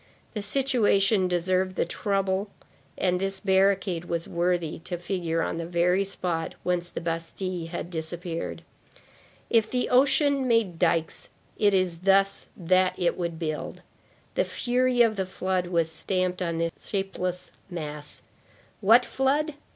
The situation deserved the trouble and this barricade was worthy to figure on the very spot whence the Bastille had disappeared. If the ocean made dikes, it is thus that it would build. The fury of the flood was stamped upon this shapeless mass. What flood?